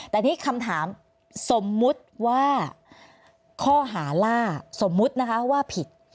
แต่นี่คำถามสมมุติว่าข้อหาล่าสมมุตินะคะว่าผิด